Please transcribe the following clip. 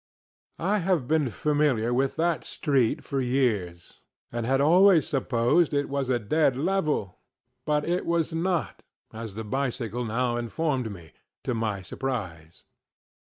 ŌĆØ I have been familiar with that street for years, and had always supposed it was a dead level; but it was not, as the bicycle now informed me, to my surprise.